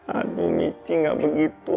aduh michi nggak begitu